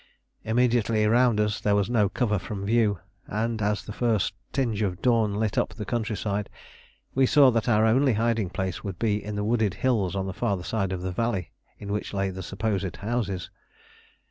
Immediately around us there was no cover from view, and as the first tinge of dawn lit up the countryside, we saw that our only hiding place would be in the wooded hills on the farther side of the valley in which lay the supposed houses.